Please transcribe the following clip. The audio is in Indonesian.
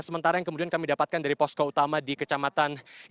sementara yang kemudian kami dapatkan dari posko utama di kecamatan